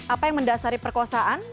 apa yang mendasari perkosaan